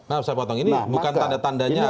maaf saya potong ini bukan tanda tandanya